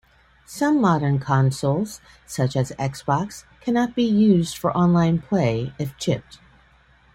Some modern consoles, such as Xbox, cannot be used for Online play if chipped.